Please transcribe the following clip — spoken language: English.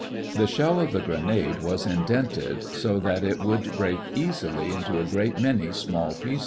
The shell of the grenade was indented so that it would break easily into a great many small pieces.